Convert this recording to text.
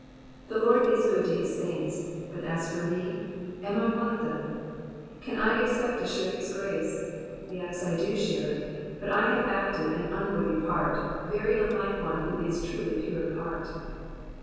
The Lord is good to his saints, 6/^ cw for we,'* am I one of them? Can I expect to share his grace ? Yes, I do share it ; but 1 have acted an unworthy part, very unlike one who is truly pure in heart.